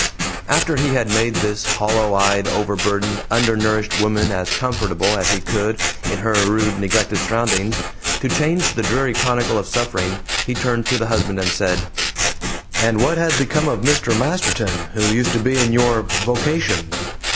After he had made this hollow eyed, over burdened, undernourished woman as comfortable as he could in her rude, neglected surroundings, to change the dreary chronicle of suffering, he turned to the husband, and said, "And what has become of Mr. Masterton, who used to be in your vocation?"